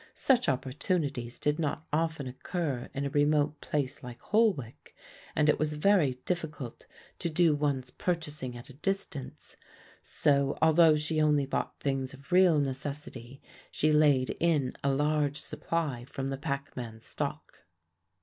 Such opportunities did not often occur in a remote place like Holwick and it was very difficult to do one's purchasing at a distance; so although she only bought things of real necessity she laid in a large supply from the packman's stock.